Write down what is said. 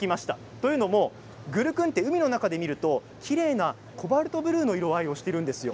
というのもグルクンは海の中ではきれいなコバルトブルーの色合いをしているんです。